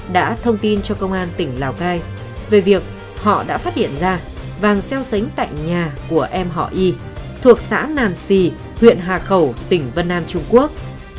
đã thông tin cho công an tỉnh lào cai về việc họ đã phát hiện ra vàng xeo xánh tại nhà của em họ y thuộc xã nàn xì huyện hà khẩu tỉnh vân nam trung quốc